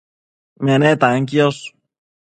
menetan quiosh